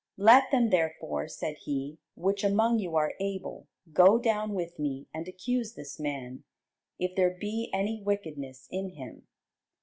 Let them therefore, said he, which among you are able, go down with me, and accuse this man, if there be any wickedness in him.